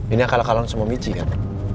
ini akal kalon semua mici kan